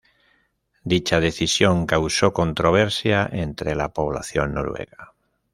Dicha decisión causó controversia entre la población noruega.